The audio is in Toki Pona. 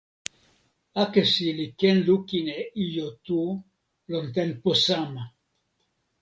akesi li ken lukin e ijo tu lon tenpo sama!